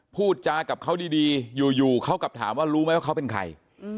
พูดจากับเขาดีอยู่เขากลับถามว่ารู้ไหมว่าเขาเป็นใคร